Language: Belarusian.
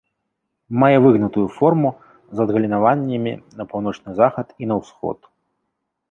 Мае выгнутую форму з адгалінаваннямі на паўночны захад і на ўсход.